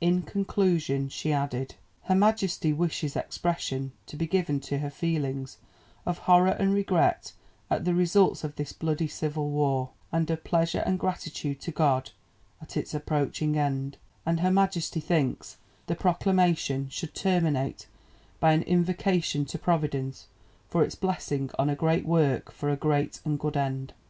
In conclusion she added: "Her Majesty wishes expression to be given to her feelings of horror and regret at the results of this bloody civil war, and of pleasure and gratitude to God at its approaching end, and Her Majesty thinks the Proclamation should terminate by an invocation to Providence for its blessing on a great work for a great and good end."